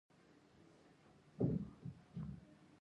غوږېده او ځای یې لږ کندې کړ، شمشو چیني ته وکتل.